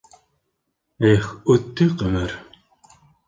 Их, үтте ҡөмөр...